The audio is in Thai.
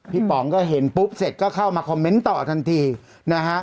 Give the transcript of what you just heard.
ป๋องก็เห็นปุ๊บเสร็จก็เข้ามาคอมเมนต์ต่อทันทีนะฮะ